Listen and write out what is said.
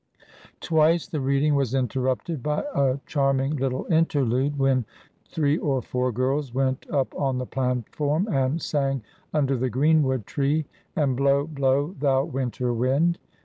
Twice the reading was interrupted by a charming little interlude, when three or four girls went up on the platform and sang "Under the Greenwood Tree" and "Blow, Blow, Thou Winter Wind."